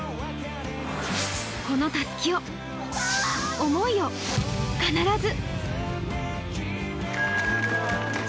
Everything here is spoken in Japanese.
このたすきを、思いを、必ず！